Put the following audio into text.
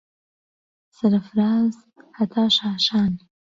سەر ئهفراز ههتا شاشان